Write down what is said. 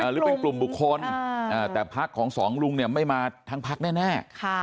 หรือเป็นกลุ่มบุคคลแต่พักของสองลุงเนี่ยไม่มาทั้งพักแน่